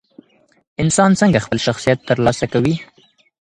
انسان څنګه خپل شخصیت ترلاسه کوي؟